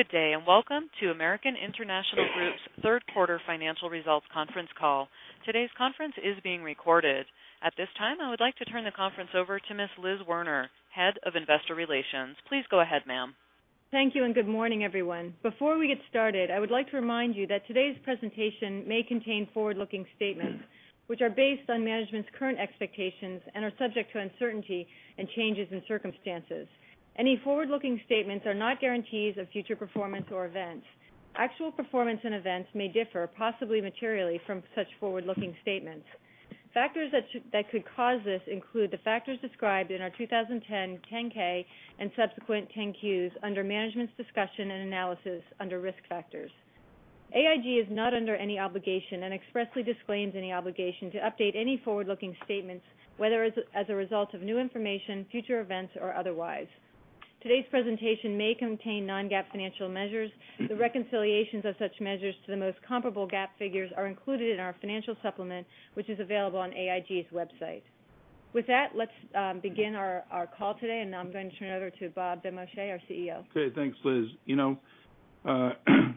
Good day. Welcome to American International Group's third quarter financial results conference call. Today's conference is being recorded. I would like to turn the conference over to Ms. Liz Werner, Head of Investor Relations. Please go ahead, ma'am. Thank you. Good morning, everyone. Before we get started, I would like to remind you that today's presentation may contain forward-looking statements, which are based on management's current expectations and are subject to uncertainty and changes in circumstances. Any forward-looking statements are not guarantees of future performance or events. Actual performance and events may differ, possibly materially, from such forward-looking statements. Factors that could cause this include the factors described in our 2010 10-K and subsequent 10-Qs under Management's Discussion and Analysis under Risk Factors. AIG is not under any obligation and expressly disclaims any obligation to update any forward-looking statements, whether as a result of new information, future events, or otherwise. Today's presentation may contain non-GAAP financial measures. The reconciliations of such measures to the most comparable GAAP figures are included in our financial supplement, which is available on AIG's website. With that, let's begin our call today. Now I'm going to turn it over to Bob Benmosche, our CEO. Okay, thanks, Liz.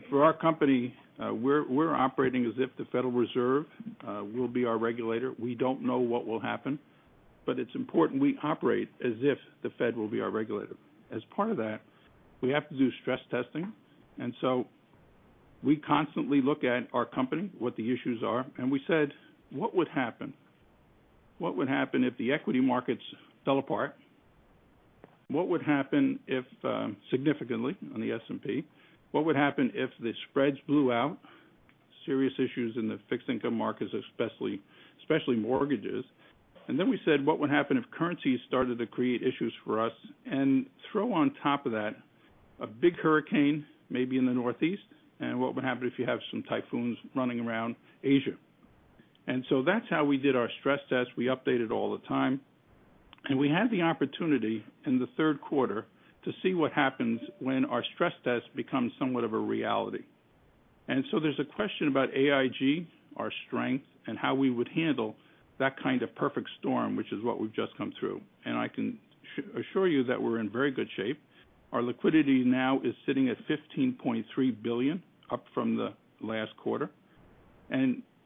For our company, we're operating as if the Federal Reserve will be our regulator. We don't know what will happen, but it's important we operate as if the Fed will be our regulator. As part of that, we have to do stress testing. We constantly look at our company, what the issues are, and we said, "What would happen? What would happen if the equity markets fell apart? What would happen if, significantly, on the S&P, what would happen if the spreads blew out?" Serious issues in the fixed income markets, especially mortgages. We said, "What would happen if currencies started to create issues for us?" Throw on top of that a big hurricane, maybe in the Northeast, and what would happen if you have some typhoons running around Asia. That's how we did our stress test. We update it all the time. We had the opportunity in the third quarter to see what happens when our stress test becomes somewhat of a reality. There's a question about AIG, our strength, and how we would handle that kind of perfect storm, which is what we've just come through. I can assure you that we're in very good shape. Our liquidity now is sitting at $15.3 billion, up from the last quarter.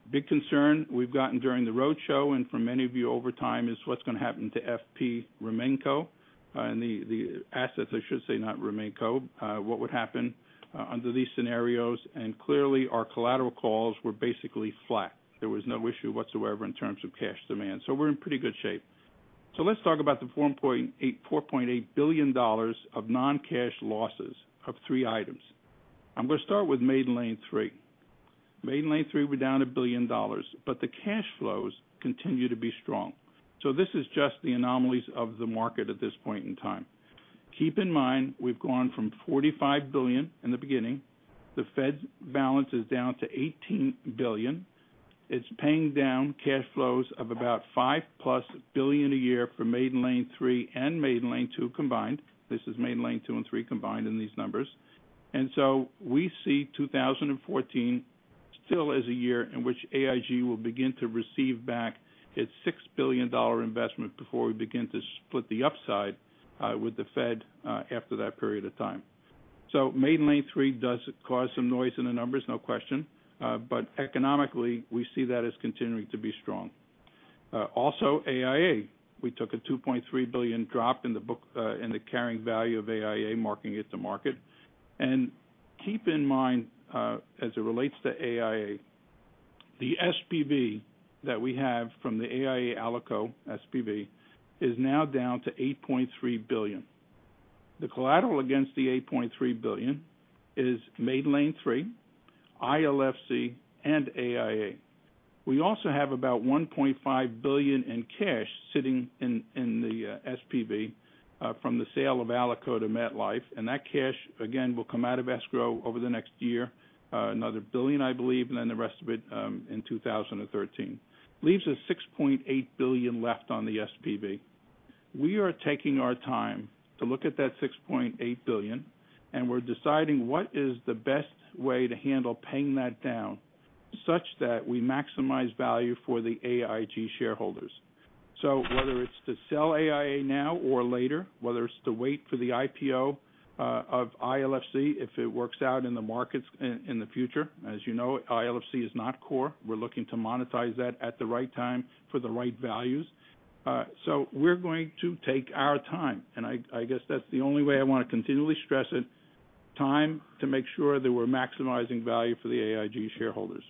Big concern we've gotten during the roadshow and from many of you over time is what's going to happen to FP Remco, and the assets, I should say, not Remco. What would happen under these scenarios? Clearly, our collateral calls were basically flat. There was no issue whatsoever in terms of cash demand. We're in pretty good shape. Let's talk about the $4.8 billion of non-cash losses of three items. I'm going to start with Maiden Lane III. Maiden Lane III, we're down $1 billion, but the cash flows continue to be strong. This is just the anomalies of the market at this point in time. Keep in mind, we've gone from $45 billion in the beginning. The Fed's balance is down to $18 billion. It's paying down cash flows of about $5-plus billion a year for Maiden Lane III and Maiden Lane II combined. This is Maiden Lane II and III combined in these numbers. We see 2014 still as a year in which AIG will begin to receive back its $6 billion investment before we begin to split the upside with the Fed after that period of time. Maiden Lane III does cause some noise in the numbers, no question, but economically, we see that as continuing to be strong. Also, AIA. We took a $2.3 billion drop in the book in the carrying value of AIA, marking it to market. Keep in mind, as it relates to AIA, the SPV that we have from the AIA/ALICO SPV is now down to $8.3 billion. The collateral against the $8.3 billion is Maiden Lane III, ILFC, and AIA. We also have about $1.5 billion in cash sitting in the SPV from the sale of ALICO to MetLife, and that cash again will come out of escrow over the next year. Another $1 billion, I believe, and then the rest of it in 2013. Leaves us $6.8 billion left on the SPV. We are taking our time to look at that $6.8 billion, and we're deciding what is the best way to handle paying that down such that we maximize value for the AIG shareholders. Whether it's to sell AIA now or later, whether it's to wait for the IPO of ILFC, if it works out in the markets in the future. As you know, ILFC is not core. We're looking to monetize that at the right time for the right values. We're going to take our time, and I guess that's the only way I want to continually stress it, time to make sure that we're maximizing value for the AIG shareholders.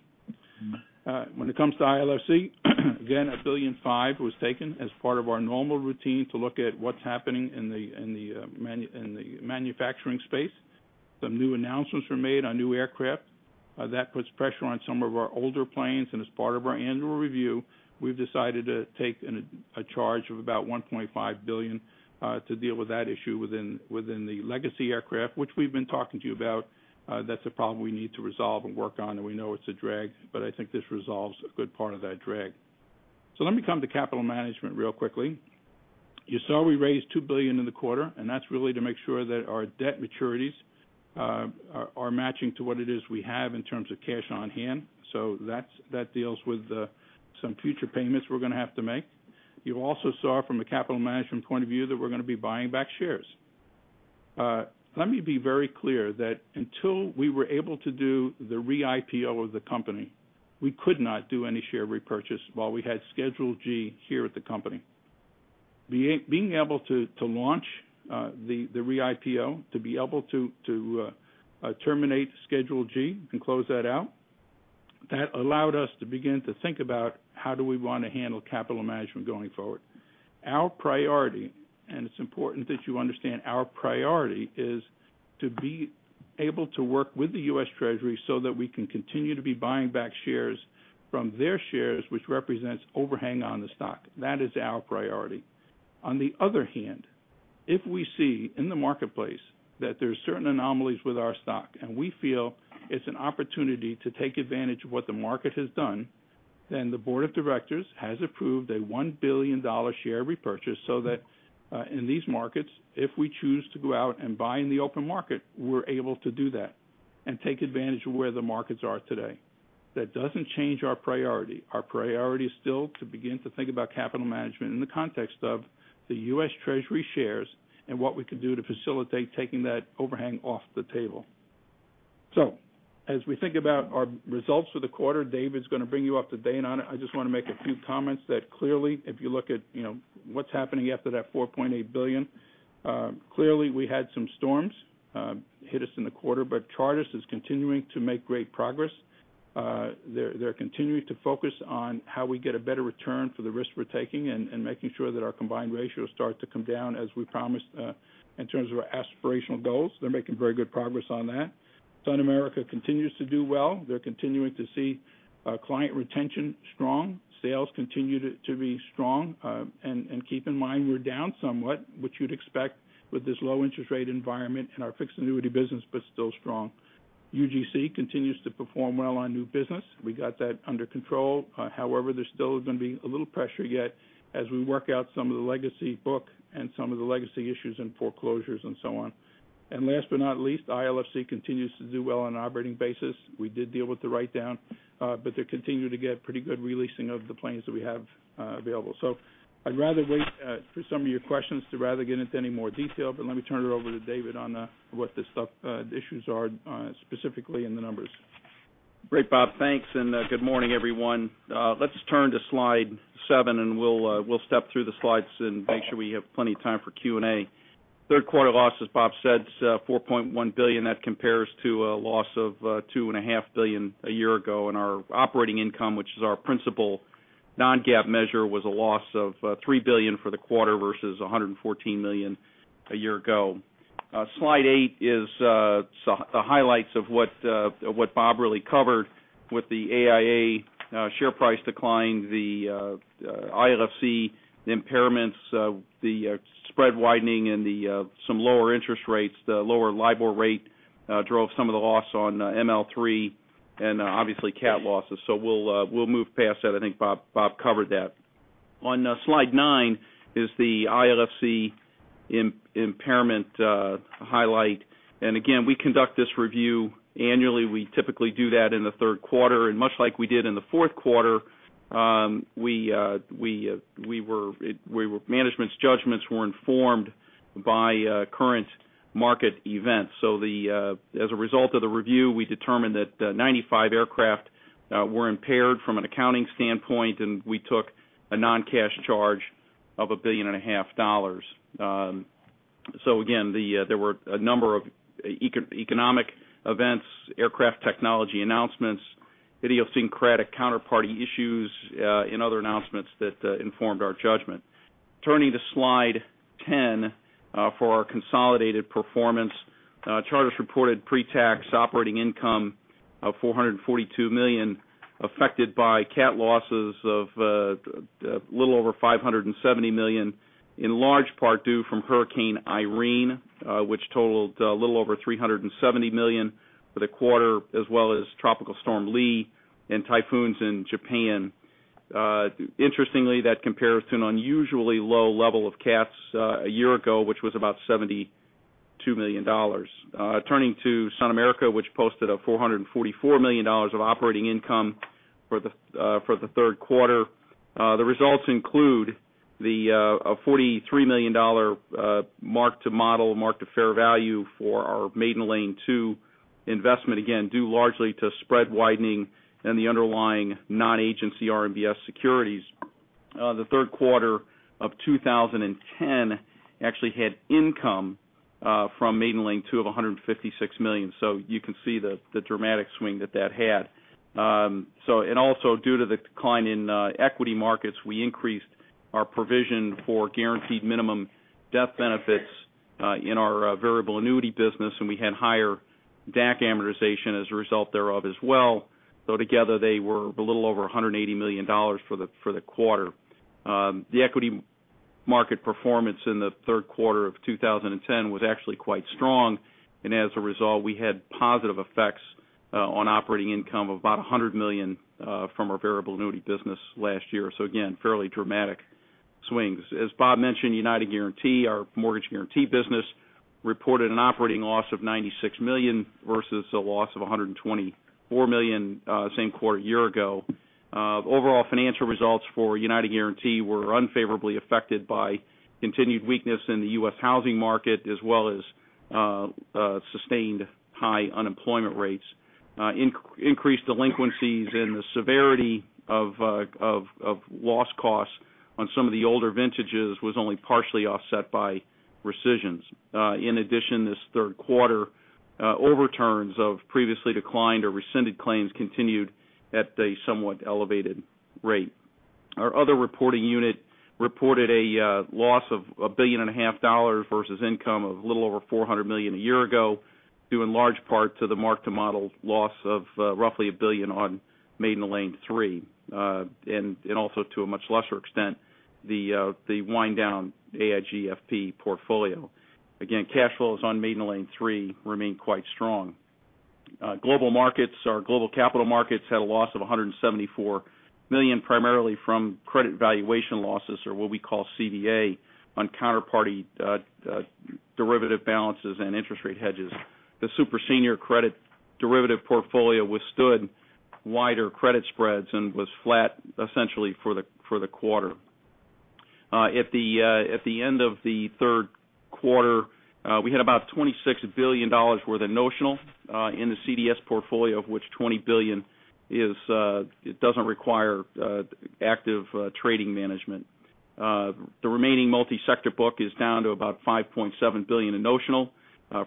When it comes to ILFC, again, $1.5 billion was taken as part of our normal routine to look at what's happening in the manufacturing space. Some new announcements were made on new aircraft. That puts pressure on some of our older planes. As part of our annual review, we've decided to take a charge of about $1.5 billion to deal with that issue within the legacy aircraft, which we've been talking to you about. That's a problem we need to resolve and work on. We know it's a drag, but I think this resolves a good part of that drag. Let me come to capital management real quickly. You saw we raised $2 billion in the quarter. That's really to make sure that our debt maturities are matching to what it is we have in terms of cash on hand. That deals with some future payments we're going to have to make. You also saw from a capital management point of view that we're going to be buying back shares. Let me be very clear that until we were able to do the re-IPO of the company, we could not do any share repurchase while we had Schedule G here at the company. Being able to launch the re-IPO, to be able to terminate Schedule G and close that out, that allowed us to begin to think about how do we want to handle capital management going forward. Our priority, and it's important that you understand, our priority is to be able to work with the U.S. Treasury so that we can continue to be buying back shares from their shares, which represents overhang on the stock. That is our priority. On the other hand, if we see in the marketplace that there's certain anomalies with our stock, and we feel it's an opportunity to take advantage of what the market has done, then the board of directors has approved a $1 billion share repurchase so that in these markets, if we choose to go out and buy in the open market, we're able to do that and take advantage of where the markets are today. That doesn't change our priority. Our priority is still to begin to think about capital management in the context of the U.S. Treasury shares and what we can do to facilitate taking that overhang off the table. As we think about our results for the quarter, David's going to bring you up to date on it. I just want to make a few comments that clearly, if you look at what's happening after that $4.8 billion, clearly we had some storms hit us in the quarter. Chartis is continuing to make great progress. They're continuing to focus on how we get a better return for the risk we're taking and making sure that our combined ratios start to come down as we promised in terms of our aspirational goals. They're making very good progress on that. SunAmerica continues to do well. They're continuing to see client retention strong. Sales continue to be strong. Keep in mind, we're down somewhat, which you'd expect with this low interest rate environment in our fixed annuity business, but still strong. UGC continues to perform well on new business. We got that under control. However, there's still going to be a little pressure yet as we work out some of the legacy book and some of the legacy issues and foreclosures and so on. Last but not least, ILFC continues to do well on an operating basis. We did deal with the write-down, but they continue to get pretty good releasing of the planes that we have available. I'd rather wait for some of your questions to rather get into any more detail, but let me turn it over to David on what the issues are specifically in the numbers. Great, Bob. Thanks, and good morning, everyone. Let's turn to slide seven, and we'll step through the slides and make sure we have plenty of time for Q&A. Third quarter loss, as Bob said, is $4.1 billion. That compares to a loss of two and a half billion a year ago. Our operating income, which is our principal non-GAAP measure, was a loss of $3 billion for the quarter versus $114 million a year ago. Slide eight is the highlights of what Bob really covered with the AIA share price decline, the ILFC impairments, the spread widening and some lower interest rates. The lower LIBOR rate drove some of the loss on ML3 and obviously cat losses. We'll move past that. I think Bob covered that. On slide nine is the ILFC impairment highlight. Again, we conduct this review annually. We typically do that in the third quarter. Much like we did in the fourth quarter, management's judgments were informed by current market events. As a result of the review, we determined that 95 aircraft were impaired from an accounting standpoint, and we took a non-cash charge of a billion and a half dollars. Again, there were a number of economic events, aircraft technology announcements, idiosyncratic counterparty issues, and other announcements that informed our judgment. Turning to slide 10 for our consolidated performance. Chartis reported pre-tax operating income of $442 million affected by cat losses of a little over $570 million, in large part due from Hurricane Irene, which totaled a little over $370 million for the quarter, as well as Tropical Storm Lee and typhoons in Japan. Interestingly, that compares to an unusually low level of cats a year ago, which was about $72 million. Turning to SunAmerica, which posted $444 million of operating income for the third quarter. The results include the $43 million mark-to-model, mark-to-fair value for our Maiden Lane 2 investment, again, due largely to spread widening and the underlying non-agency RMBS securities. The third quarter of 2010 actually had income from Maiden Lane 2 of $156 million. You can see the dramatic swing that that had. Also due to the decline in equity markets, we increased our provision for guaranteed minimum death benefits in our variable annuity business, and we had higher DAC amortization as a result thereof as well, though together they were a little over $180 million for the quarter. The equity market performance in the third quarter of 2010 was actually quite strong, as a result, we had positive effects on operating income of about $100 million from our variable annuity business last year. Again, fairly dramatic swings. As Bob mentioned, United Guaranty, our mortgage guaranty business reported an operating loss of $96 million versus a loss of $124 million same quarter a year ago. Overall financial results for United Guaranty were unfavorably affected by continued weakness in the U.S. housing market, as well as sustained high unemployment rates. Increased delinquencies and the severity of loss costs on some of the older vintages was only partially offset by rescissions. In addition, this third quarter, overturns of previously declined or rescinded claims continued at a somewhat elevated rate. Our other reporting unit reported a loss of a billion and a half dollars versus income of a little over $400 million a year ago, due in large part to the mark-to-model loss of roughly a billion on Maiden Lane III, and also to a much lesser extent, the wind down AIG FP portfolio. Cash flows on Maiden Lane III remain quite strong. Our global capital markets had a loss of $174 million, primarily from credit valuation losses, or what we call CVA, on counterparty derivative balances and interest rate hedges. The super senior credit derivative portfolio withstood wider credit spreads and was flat essentially for the quarter. At the end of the third quarter, we had about $26 billion worth of notional in the CDS portfolio, of which $20 billion doesn't require active trading management. The remaining multi-sector book is down to about $5.7 billion in notional,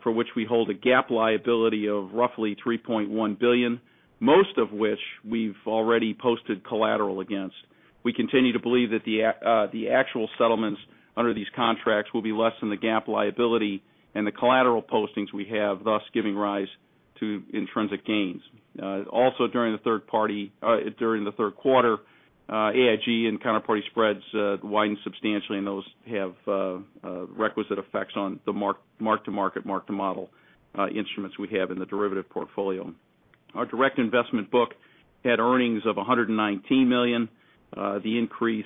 for which we hold a GAAP liability of roughly $3.1 billion, most of which we've already posted collateral against. We continue to believe that the actual settlements under these contracts will be less than the GAAP liability and the collateral postings we have, thus giving rise to intrinsic gains. Also during the third quarter, AIG and counterparty spreads widened substantially, those have requisite effects on the mark to market, mark to model instruments we have in the derivative portfolio. Our direct investment book had earnings of $119 million. The increase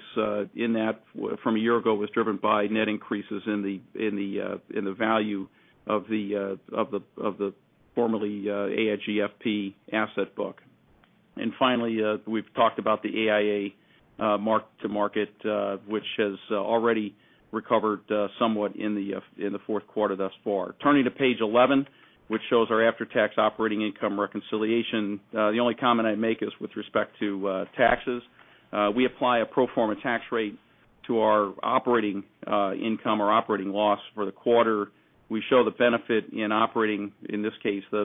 in that from a year ago was driven by net increases in the value of the formerly AIG FP asset book. Finally, we've talked about the AIA mark to market, which has already recovered somewhat in the fourth quarter thus far. Turning to page 11, which shows our after-tax operating income reconciliation. The only comment I'd make is with respect to taxes. We apply a pro forma tax rate to our operating income or operating loss for the quarter. We show the benefit in operating, in this case, the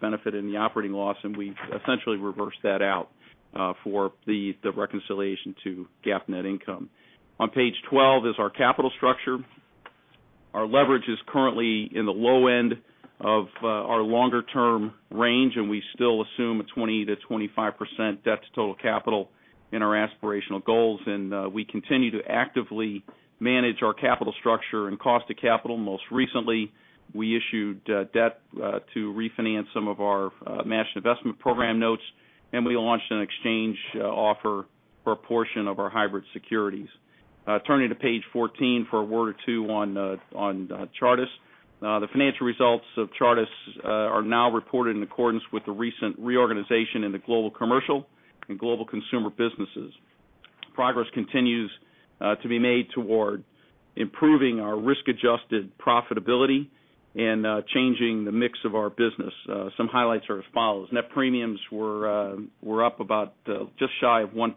benefit in the operating loss, we essentially reverse that out for the reconciliation to GAAP net income. On page 12 is our capital structure. Our leverage is currently in the low end of our longer-term range, we still assume a 20%-25% debt to total capital in our aspirational goals. We continue to actively manage our capital structure and cost of capital. Most recently, we issued debt to refinance some of our matched investment program notes, we launched an exchange offer for a portion of our hybrid securities. Turning to page 14 for a word or two on Chartis. The financial results of Chartis are now reported in accordance with the recent reorganization in the global commercial and global consumer businesses. Progress continues to be made toward improving our risk-adjusted profitability and changing the mix of our business. Some highlights are as follows. Net premiums were up about just shy of 1%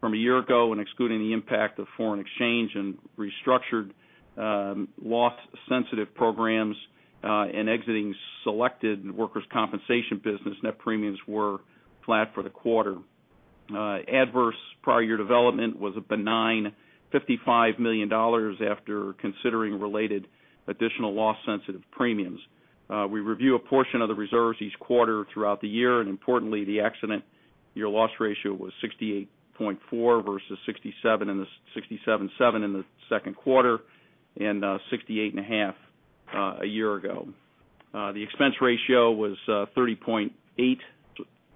from a year ago when excluding the impact of foreign exchange and restructured loss sensitive programs, and exiting selected workers' compensation business net premiums were flat for the quarter. Adverse prior year development was a benign $55 million after considering related additional loss sensitive premiums. We review a portion of the reserves each quarter throughout the year, and importantly, the accident year loss ratio was 68.4% versus 67.7% in the second quarter and 68.5% a year ago. The expense ratio was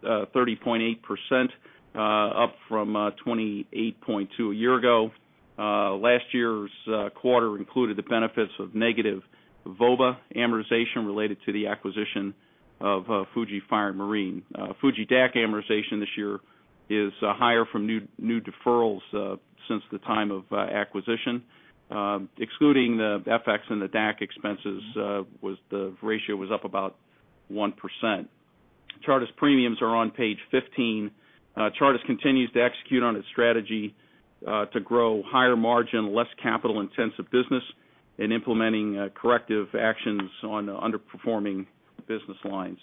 30.8%, up from 28.2% a year ago. Last year's quarter included the benefits of negative VOBA amortization related to the acquisition of Fuji Fire and Marine. Fuji DAC amortization this year is higher from new deferrals since the time of acquisition. Excluding the FX and the DAC expenses, the ratio was up about 1%. Chartis premiums are on page 15. Chartis continues to execute on its strategy to grow higher margin, less capital intensive business in implementing corrective actions on underperforming business lines.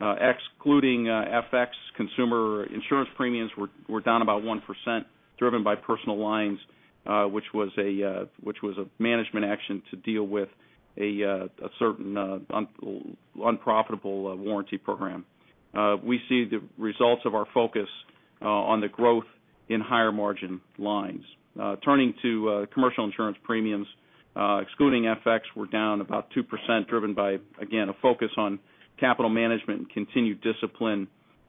Excluding FX, consumer insurance premiums were down about 1%, driven by personal lines, which was a management action to deal with a certain unprofitable warranty program. We see the results of our focus on the growth in higher margin lines. Turning to commercial insurance premiums, excluding FX, we're down about 2%, driven by, again, a focus on capital management and continued discipline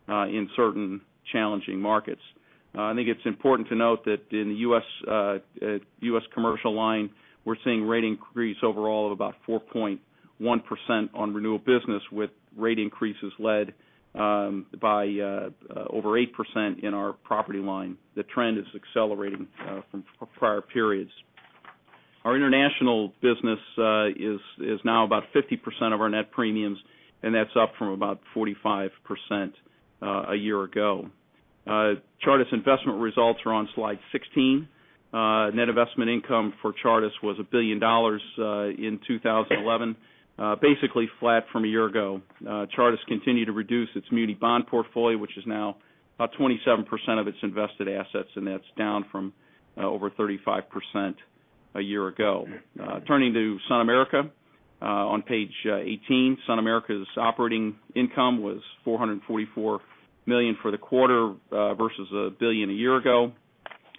in certain challenging markets. I think it's important to note that in the U.S. commercial line, we're seeing rate increase overall of about 4.1% on renewal business, with rate increases led by over 8% in our property line. The trend is accelerating from prior periods. Our international business is now about 50% of our net premiums, and that's up from about 45% a year ago. Chartis investment results are on slide 16. Net investment income for Chartis was $1 billion in 2011, basically flat from a year ago. Chartis continued to reduce its muni bond portfolio, which is now about 27% of its invested assets, and that's down from over 35% a year ago. Turning to SunAmerica on page 18. SunAmerica's operating income was $444 million for the quarter versus $1 billion a year ago.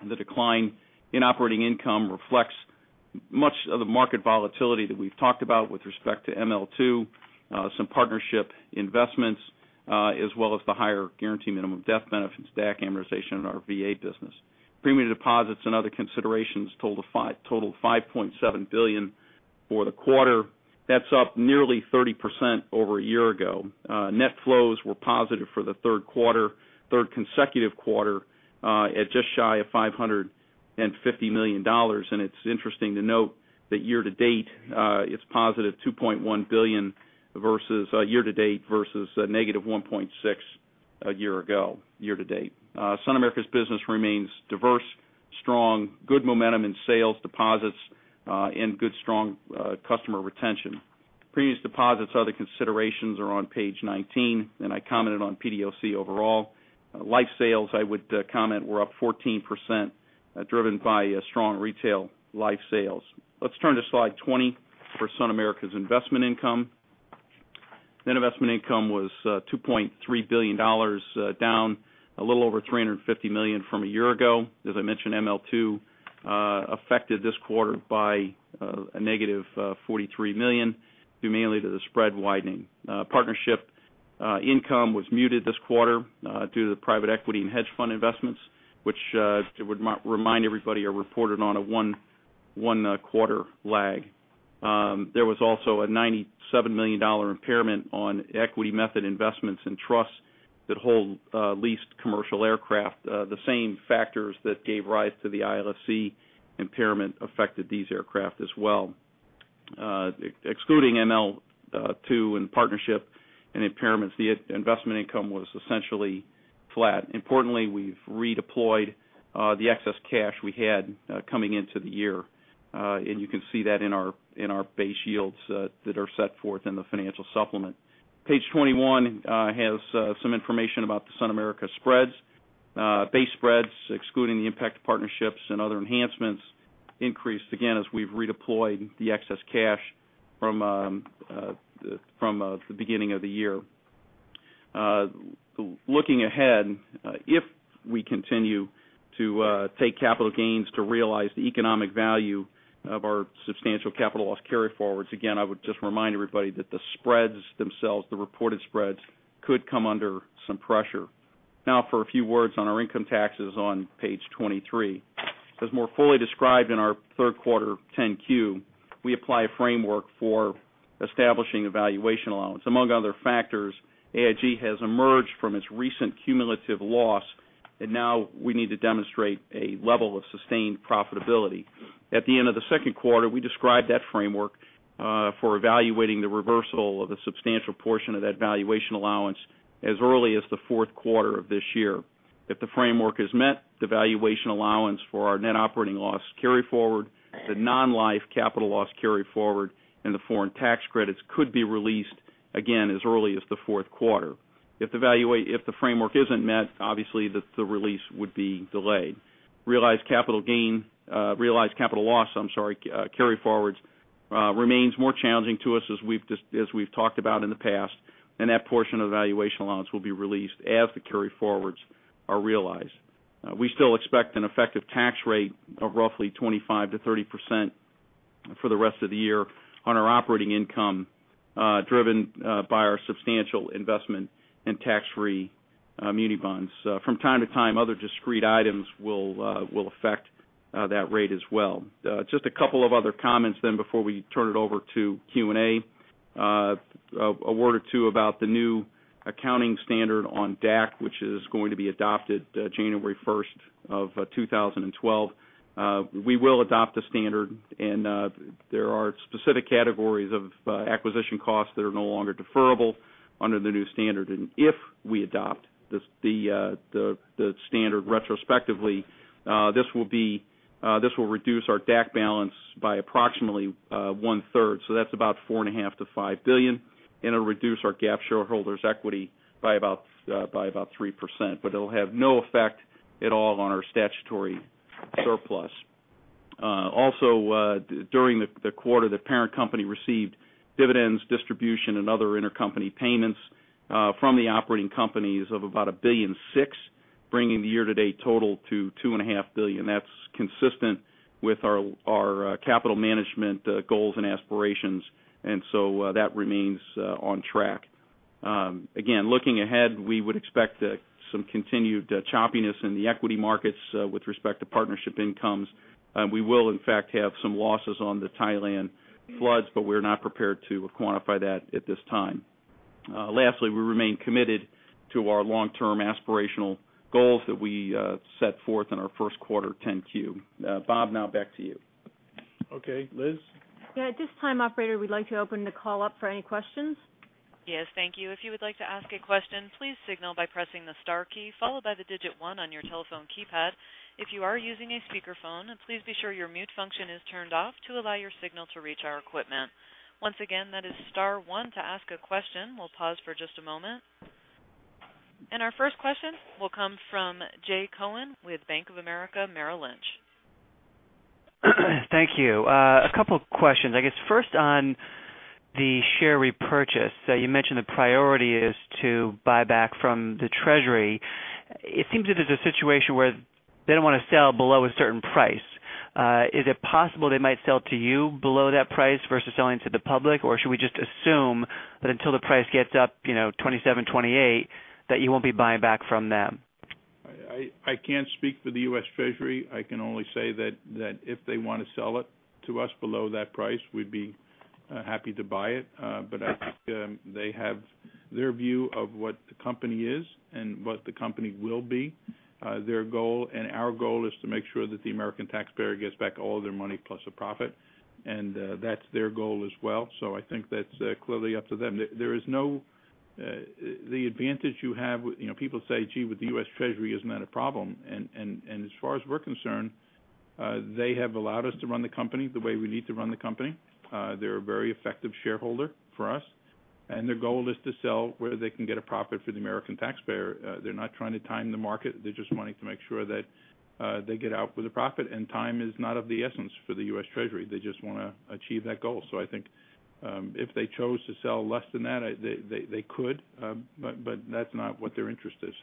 The decline in operating income reflects much of the market volatility that we've talked about with respect to ML2, some partnership investments, as well as the higher guarantee minimum death benefits, DAC amortization in our VA business. Premium deposits and other considerations totaled $5.7 billion for the quarter. That's up nearly 30% over a year ago. Net flows were positive for the third consecutive quarter at just shy of $550 million. It's interesting to note that year-to-date, it's positive $2.1 billion year-to-date versus a negative $1.6 billion a year ago year-to-date. SunAmerica's business remains diverse, strong, good momentum in sales deposits, and good, strong customer retention. Previous deposits, other considerations are on page 19, and I commented on PDOC overall. Life sales, I would comment, were up 14%, driven by strong retail life sales. Let's turn to slide 20 for SunAmerica's investment income. Net investment income was $2.3 billion, down a little over $350 million from a year ago. As I mentioned, ML2 affected this quarter by a negative $43 million, due mainly to the spread widening. Partnership income was muted this quarter due to the private equity and hedge fund investments, which I would remind everybody are reported on a one quarter lag. There was also a $97 million impairment on equity method investments in trusts that hold leased commercial aircraft. The same factors that gave rise to the ILFC impairment affected these aircraft as well. Excluding ML2 and partnership and impairments, the investment income was essentially flat. Importantly, we've redeployed the excess cash we had coming into the year. You can see that in our base yields that are set forth in the financial supplement. Page 21 has some information about the SunAmerica spreads. Base spreads, excluding the impact of partnerships and other enhancements, increased again as we've redeployed the excess cash from the beginning of the year. Looking ahead, if we continue to take capital gains to realize the economic value of our substantial capital loss carryforwards, again, I would just remind everybody that the spreads themselves, the reported spreads, could come under some pressure. Now for a few words on our income taxes on page 23. As more fully described in our third quarter 10-Q, we apply a framework for establishing a valuation allowance. Among other factors, AIG has emerged from its recent cumulative loss, and now we need to demonstrate a level of sustained profitability. At the end of the second quarter, we described that framework for evaluating the reversal of a substantial portion of that valuation allowance as early as the fourth quarter of this year. If the framework is met, the valuation allowance for our net operating loss carryforward, the non-life capital loss carryforward, and the foreign tax credits could be released again as early as the fourth quarter. If the framework isn't met, obviously the release would be delayed. Realized capital loss carryforwards remains more challenging to us as we've talked about in the past, and that portion of the valuation allowance will be released as the carryforwards are realized. We still expect an effective tax rate of roughly 25%-30% for the rest of the year on our operating income, driven by our substantial investment in tax-free muni bonds. From time to time, other discrete items will affect that rate as well. A couple of other comments before we turn it over to Q&A. A word or two about the new accounting standard on DAC, which is going to be adopted January 1st of 2012. We will adopt a standard, and there are specific categories of acquisition costs that are no longer deferrable under the new standard. If we adopt the standard retrospectively, this will reduce our DAC balance by approximately one-third, so that's about $4.5 billion-$5 billion. It'll reduce our GAAP shareholders' equity by about 3%, but it'll have no effect at all on our statutory surplus. Also, during the quarter, the parent company received dividends, distribution, and other intercompany payments from the operating companies of about $1.6 billion, bringing the year-to-date total to $2.5 billion. That's consistent with our capital management goals and aspirations. That remains on track. Again, looking ahead, we would expect some continued choppiness in the equity markets with respect to partnership incomes. We will in fact have some losses on the Thailand floods, we're not prepared to quantify that at this time. Lastly, we remain committed to our long-term aspirational goals that we set forth in our first quarter 10-Q. Bob, now back to you. Okay, Liz? At this time operator, we'd like to open the call up for any questions. Yes, thank you. If you would like to ask a question, please signal by pressing the star key, followed by the digit 1 on your telephone keypad. If you are using a speakerphone, please be sure your mute function is turned off to allow your signal to reach our equipment. Once again, that is star 1 to ask a question. We'll pause for just a moment. Our first question will come from Jay Cohen with Bank of America, Merrill Lynch. Thank you. A couple questions. I guess first on the share repurchase. You mentioned the priority is to buy back from the Treasury. It seems that there's a situation where they don't want to sell below a certain price. Is it possible they might sell to you below that price versus selling to the public? Or should we just assume that until the price gets up $27, $28, that you won't be buying back from them? I can't speak for the U.S. Treasury. I can only say that if they want to sell it to us below that price, we'd be happy to buy it. I think they have their view of what the company is and what the company will be. Their goal, and our goal, is to make sure that the American taxpayer gets back all their money plus a profit. That's their goal as well. I think that's clearly up to them. People say, "Gee, with the U.S. Treasury, isn't that a problem?" As far as we're concerned, they have allowed us to run the company the way we need to run the company. They're a very effective shareholder for us, and their goal is to sell where they can get a profit for the American taxpayer. They're not trying to time the market. They're just wanting to make sure that they get out with a profit, and time is not of the essence for the U.S. Treasury. They just want to achieve that goal. I think if they chose to sell less than that, they could. That's not what their interest is.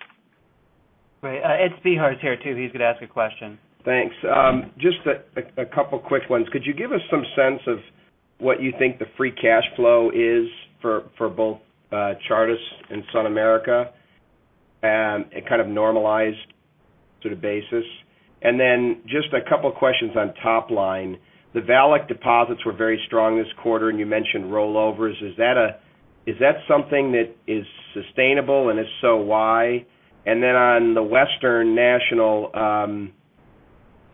Great. Ed Spehar is here too. He's going to ask a question. Thanks. Just a couple quick ones. Could you give us some sense of what you think the free cash flow is for both Chartis and SunAmerica? And it kind of normalized to the basis. Then just a couple questions on top line. The VALIC deposits were very strong this quarter, and you mentioned rollovers. Is that something that is sustainable, and if so, why? Then on the Western National,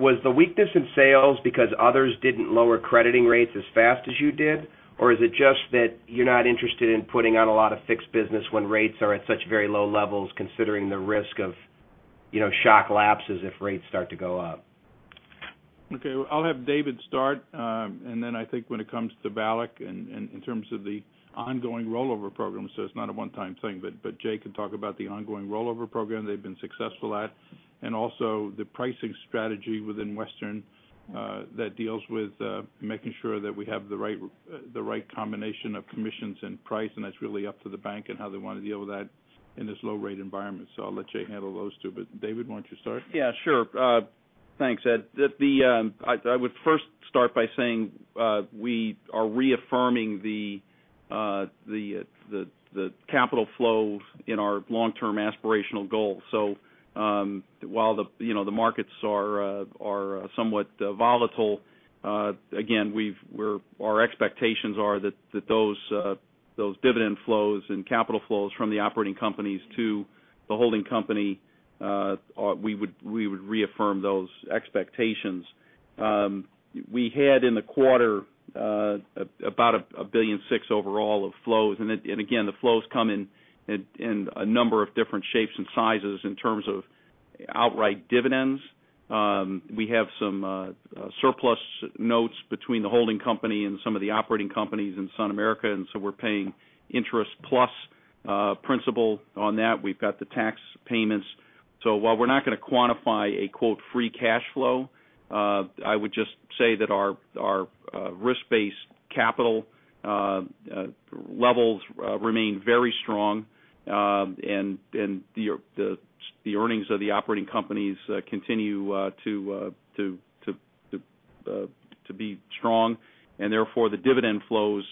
was the weakness in sales because others didn't lower crediting rates as fast as you did? Or is it just that you're not interested in putting out a lot of fixed business when rates are at such very low levels, considering the risk of shock lapses if rates start to go up? Okay. I'll have David start. Then I think when it comes to VALIC and in terms of the ongoing rollover program, so it's not a one-time thing. Jay can talk about the ongoing rollover program they've been successful at, and also the pricing strategy within Western that deals with making sure that we have the right combination of commissions and price, and that's really up to the bank and how they want to deal with that in this low rate environment. I'll let Jay handle those two. David, why don't you start? Yeah, sure. Thanks, Ed. I would first start by saying we are reaffirming the capital flow in our long-term aspirational goal. While the markets are somewhat volatile, again, our expectations are that those dividend flows and capital flows from the operating companies to the holding company, we would reaffirm those expectations. We had in the quarter about $1.6 billion overall of flows. Again, the flows come in a number of different shapes and sizes in terms of outright dividends. We have some surplus notes between the holding company and some of the operating companies in SunAmerica. So we're paying interest plus principal on that. We've got the tax payments. While we're not going to quantify a "free cash flow," I would just say that our risk-based capital levels remain very strong. The earnings of the operating companies continue to be strong, and therefore, the dividend flows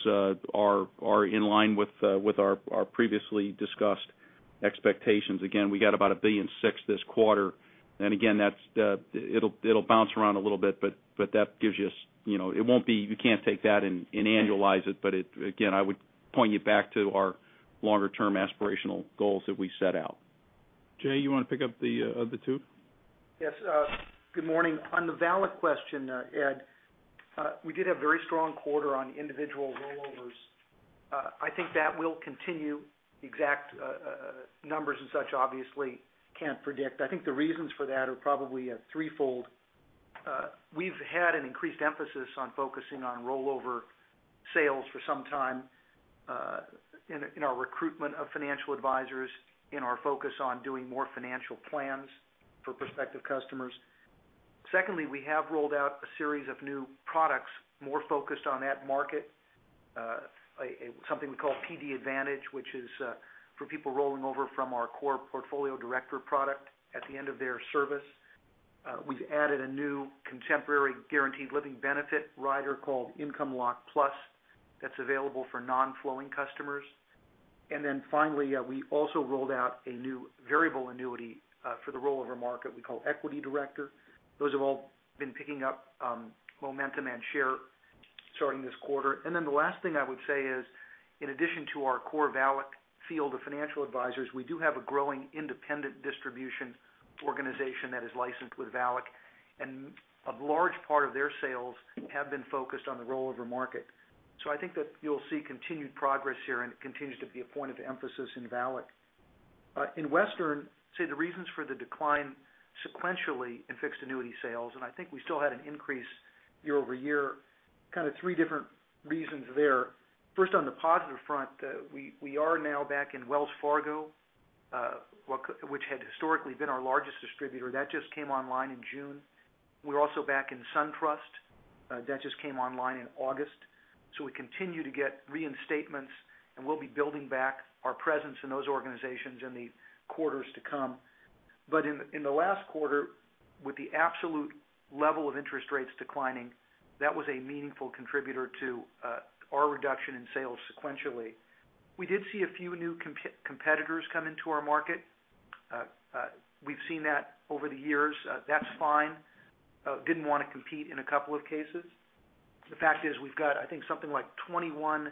are in line with our previously discussed expectations. Again, we got about $1.6 billion this quarter. Again, it'll bounce around a little bit, but you can't take that and annualize it. Again, I would point you back to our longer-term aspirational goals that we set out. Jay, you want to pick up the other two? Yes. Good morning. On the VALIC question, Ed, we did have very strong quarter on individual rollovers. I think that will continue. Exact numbers and such, obviously can't predict. I think the reasons for that are probably threefold. We've had an increased emphasis on focusing on rollover sales for some time in our recruitment of financial advisors, in our focus on doing more financial plans for prospective customers. Secondly, we have rolled out a series of new products more focused on that market. Something we call PD Advantage, which is for people rolling over from our core Portfolio Director product at the end of their service. We've added a new contemporary guaranteed living benefit rider called Income Lock Plus that's available for non-flowing customers. Finally, we also rolled out a new variable annuity for the rollover market we call Equity Director. Those have all been picking up momentum and share starting this quarter. The last thing I would say is, in addition to our core VALIC field of financial advisors, we do have a growing independent distribution organization that is licensed with VALIC, and a large part of their sales have been focused on the rollover market. I think that you'll see continued progress here, and it continues to be a point of emphasis in VALIC. In Western, I'd say the reasons for the decline sequentially in fixed annuity sales, and I think we still had an increase year-over-year, kind of three different reasons there. First, on the positive front, we are now back in Wells Fargo, which had historically been our largest distributor. That just came online in June. We're also back in SunTrust. That just came online in August. We continue to get reinstatements, and we'll be building back our presence in those organizations in the quarters to come. In the last quarter, with the absolute level of interest rates declining, that was a meaningful contributor to our reduction in sales sequentially. We did see a few new competitors come into our market. We've seen that over the years. That's fine. Didn't want to compete in a couple of cases. The fact is we've got, I think, something like 21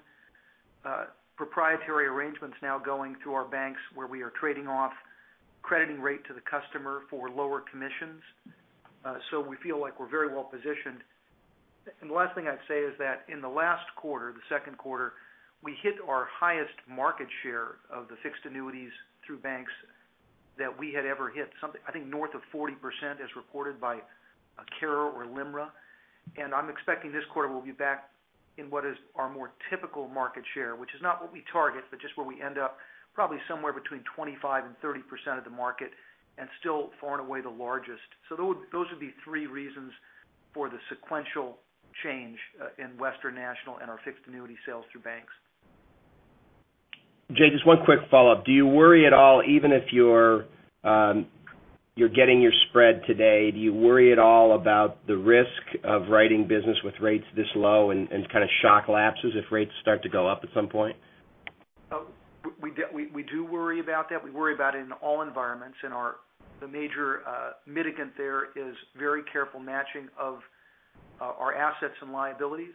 proprietary arrangements now going through our banks where we are trading off crediting rate to the customer for lower commissions. We feel like we're very well positioned. The last thing I'd say is that in the last quarter, the second quarter, we hit our highest market share of the fixed annuities through banks that we had ever hit. I think north of 40% as reported by CARRA or LIMRA. I'm expecting this quarter we'll be back in what is our more typical market share, which is not what we target, but just where we end up, probably somewhere between 25% and 30% of the market, and still far and away the largest. Those would be three reasons for the sequential change in Western National and our fixed annuity sales through banks. Jay, just one quick follow-up. Do you worry at all, even if you're getting your spread today, do you worry at all about the risk of writing business with rates this low and kind of shock lapses if rates start to go up at some point? We do worry about that. We worry about it in all environments, the major mitigant there is very careful matching of our assets and liabilities.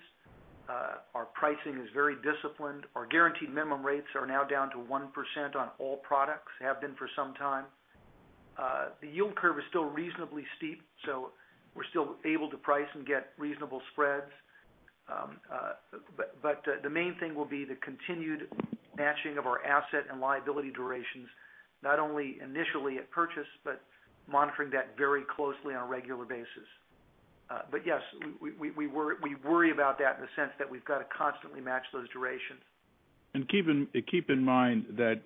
Our pricing is very disciplined. Our guaranteed minimum rates are now down to 1% on all products, have been for some time. The yield curve is still reasonably steep, we're still able to price and get reasonable spreads. The main thing will be the continued matching of our asset and liability durations, not only initially at purchase, but monitoring that very closely on a regular basis. Yes, we worry about that in the sense that we've got to constantly match those durations. Keep in mind that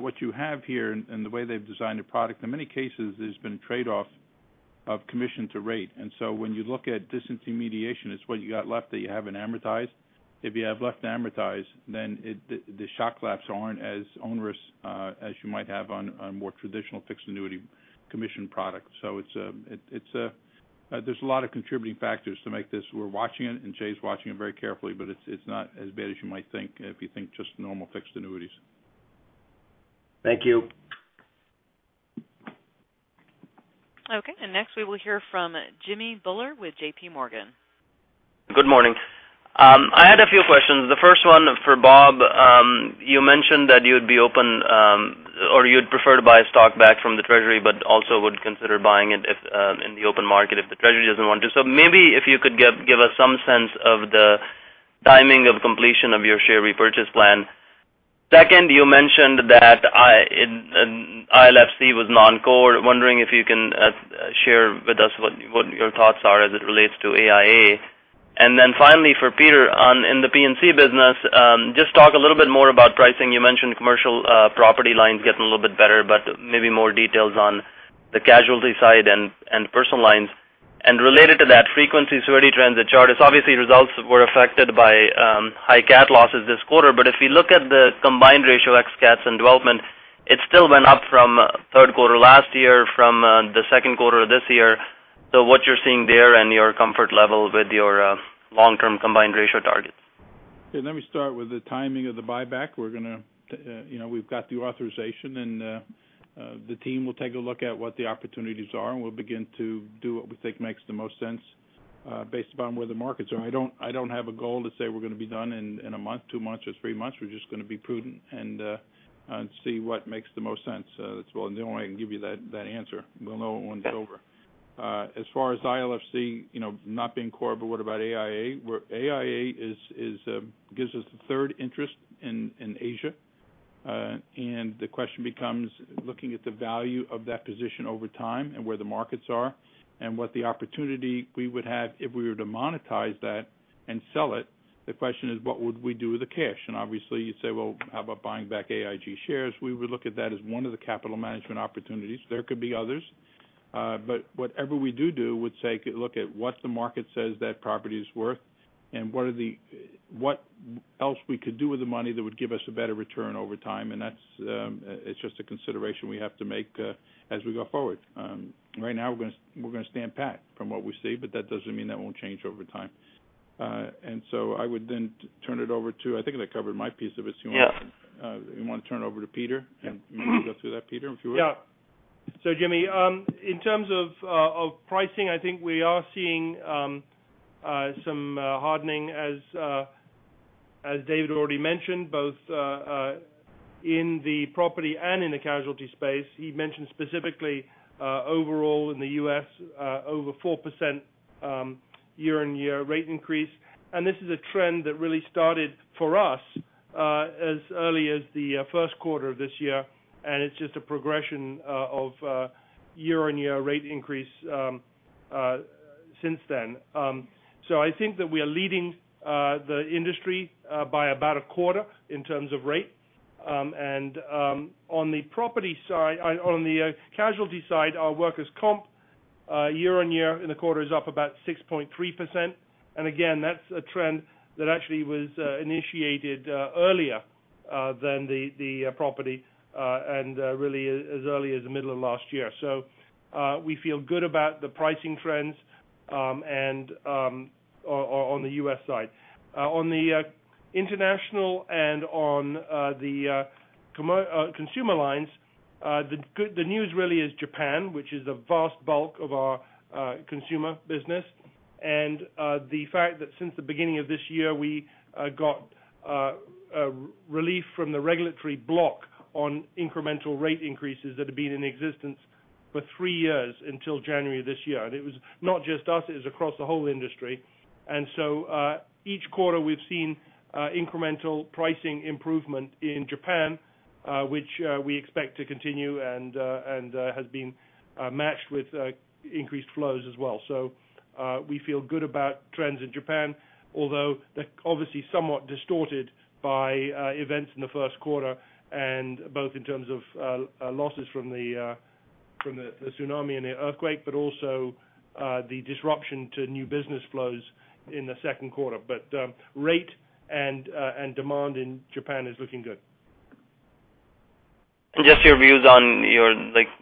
what you have here and the way they've designed a product, in many cases, there's been trade-off of commission to rate. When you look at disintermediation, it's what you got left that you haven't amortized. If you have left to amortize, the shock lapse aren't as onerous as you might have on a more traditional fixed annuity commission product. There's a lot of contributing factors to make this. We're watching it, and Jay's watching it very carefully, but it's not as bad as you might think if you think just normal fixed annuities. Thank you. Okay. Next we will hear from Jimmy Bhullar with J.P. Morgan. Good morning. I had a few questions. The first one for Bob, you mentioned that you'd be open or you'd prefer to buy stock back from the Treasury, but also would consider buying it in the open market if the Treasury doesn't want to. Maybe if you could give us some sense of the timing of completion of your share repurchase plan. Second, you mentioned that ILFC was non-core. Wondering if you can share with us what your thoughts are as it relates to AIA. Then finally for Peter on in the P&C business, just talk a little bit more about pricing. You mentioned commercial property lines getting a little bit better, but maybe more details on the casualty side and personal lines. Related to that frequency severity trends, the Chartis obviously results were affected by high CAT losses this quarter. If you look at the combined ratio ex CATs and development, it still went up from third quarter last year from the second quarter of this year. What you're seeing there and your comfort level with your long-term combined ratio targets. Let me start with the timing of the buyback. We've got the authorization. The team will take a look at what the opportunities are. We'll begin to do what we think makes the most sense based upon where the markets are. I don't have a goal to say we're going to be done in a month, two months, or three months. We're just going to be prudent and see what makes the most sense. That's the only way I can give you that answer. We'll know it when it's over. As far as ILFC not being core, what about AIA? AIA gives us a third interest in Asia. The question becomes looking at the value of that position over time and where the markets are and what the opportunity we would have if we were to monetize that and sell it. The question is, what would we do with the cash? Obviously, you'd say, "Well, how about buying back AIG shares?" We would look at that as one of the capital management opportunities. There could be others. Whatever we do would take a look at what the market says that property is worth. What else we could do with the money that would give us a better return over time, and it's just a consideration we have to make as we go forward. Right now we're going to stand pat from what we see, but that doesn't mean that won't change over time. I would then turn it over to, I think that covered my piece of it. Yeah. You want to turn it over to Peter, and you can go through that, Peter, if you would. Jimmy, in terms of pricing, I think we are seeing some hardening as David already mentioned, both in the property and in the casualty space. He mentioned specifically, overall in the U.S., over 4% year-on-year rate increase. This is a trend that really started for us as early as the first quarter of this year. It's just a progression of year-on-year rate increase since then. I think that we are leading the industry by about a quarter in terms of rate. On the casualty side, our workers' comp year-on-year in the quarter is up about 6.3%. Again, that's a trend that actually was initiated earlier than the property, and really as early as the middle of last year. We feel good about the pricing trends on the U.S. side. On the international and on the consumer lines, the news really is Japan, which is a vast bulk of our consumer business. The fact that since the beginning of this year, we got relief from the regulatory block on incremental rate increases that had been in existence for three years until January of this year. It was not just us, it was across the whole industry. Each quarter we've seen incremental pricing improvement in Japan, which we expect to continue and has been matched with increased flows as well. We feel good about trends in Japan, although they're obviously somewhat distorted by events in the first quarter, both in terms of losses from the tsunami and the earthquake, but also the disruption to new business flows in the second quarter. Rate and demand in Japan is looking good. Just your views on your